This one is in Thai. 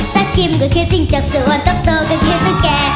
จากกิ้มก็คือจริงจากส่วนตกก็คือตุ๊กแก